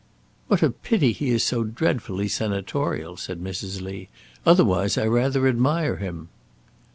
"What a pity he is so dreadfully senatorial!" said Mrs. Lee; "otherwise I rather admire him."